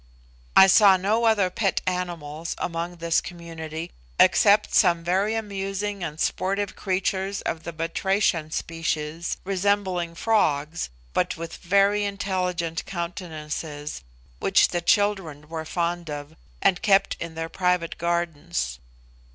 I saw no other pet animals among this community except some very amusing and sportive creatures of the Batrachian species, resembling frogs, but with very intelligent countenances, which the children were fond of, and kept in their private gardens.